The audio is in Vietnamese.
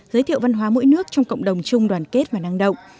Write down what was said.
giới thiệu văn hóa mỗi nước trong cộng đồng chung đoàn kết và năng động